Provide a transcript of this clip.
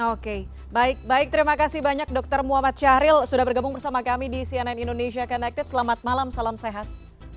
oke baik baik terima kasih banyak dokter muhammad syahril sudah bergabung bersama kami di cnn indonesia connected selamat malam salam sehat